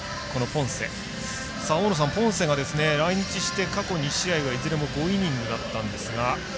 ポンセが来日して過去２試合はいずれも５イニングだったんですが。